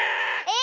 え！